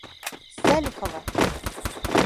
Сәлихова!